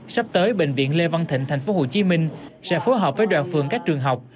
sắp tới bệnh viện lê văn thịnh tp hcm sẽ phối hợp với đoàn phường các trường học